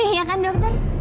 iya kan dokter